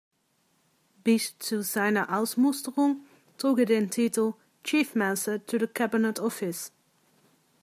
Bis zu seiner Ausmusterung trug er den Titel Chief Mouser to the Cabinet Office.